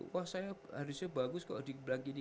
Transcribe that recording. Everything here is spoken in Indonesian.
wah saya harusnya bagus kok dibilang gini